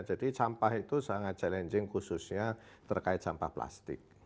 jadi sampah itu sangat challenging khususnya terkait sampah plastik